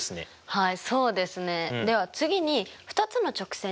はい。